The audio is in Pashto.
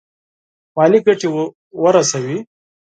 مالي ګټي ورسوي.